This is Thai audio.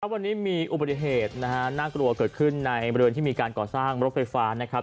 วันนี้มีอุบัติเหตุนะฮะน่ากลัวเกิดขึ้นในบริเวณที่มีการก่อสร้างรถไฟฟ้านะครับ